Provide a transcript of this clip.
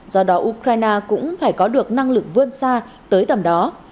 do đó ukraine cũng phải có được năng lực vươn xa tới tầm đó